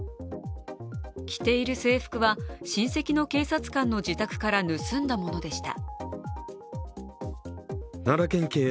着ている制服は親戚の警察官の自宅から盗んだものでした。